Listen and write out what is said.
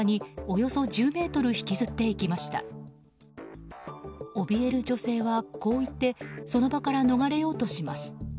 おびえる女性はこう言ってその場から逃れようとします。